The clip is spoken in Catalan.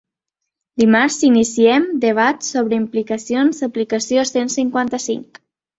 Dimarts iniciem debat sobre implicacions aplicació cent cinquanta-cinc.